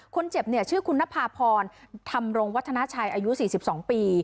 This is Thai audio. คนเจ็บเนี่ยชื่อคุณนภาพรธรรมรงวัฒนาชัยอายุ๔๒ปี